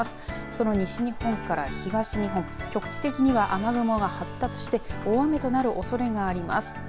その西日本から東日本局地的には雨雲が発達して大雨となるおそれがあります。